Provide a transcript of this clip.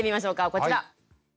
こちら！